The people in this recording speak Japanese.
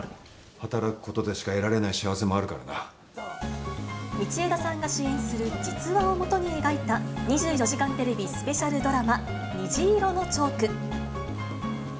働くことでしか得られない幸道枝さんが主演する実話をもとに描いた２４時間テレビスペシャルドラマ、虹色のチョーク。